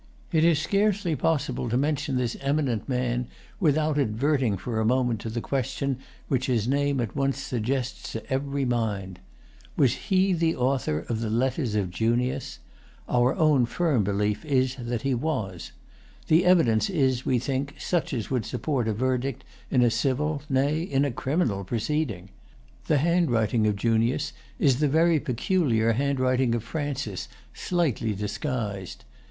It is scarcely possible to mention this eminent man without adverting for a moment to the question which his name at once suggests to every mind. Was he the author[Pg 145] of the Letters of Junius? Our own firm belief is that he was. The evidence is, we think, such as would support a verdict in a civil, nay, in a criminal proceeding. The handwriting of Junius is the very peculiar handwriting of Francis, slightly disguised.